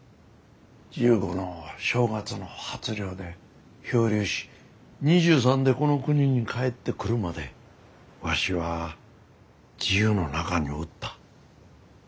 １５の正月の初漁で漂流し２３でこの国に帰ってくるまでわしは自由の中におった。